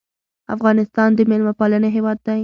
افغانستان د میلمه پالنې هیواد دی